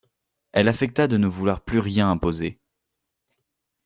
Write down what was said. Elle affecta de ne vouloir plus rien imposer.